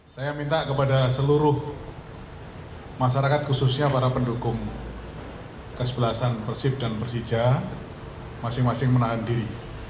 saya minta kepada seluruh masyarakat khususnya para pendukung kesebelasan persib dan persija masing masing menahan diri